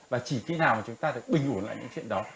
và chỉ khi nào mà chúng ta được bình ổn lại những chuyện đó